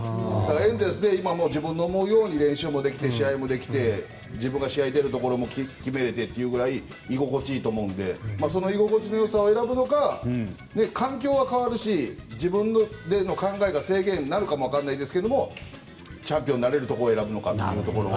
エンゼルスで自分の思うように練習もできて、試合もできて自分が試合出るところも決めれてというぐらい居心地がいいと思うのでその居心地の良さを選ぶのか環境は変わるし自分の考えが制限されるか分からないんですがチャンピオンになれるところを選ぶのかというところは。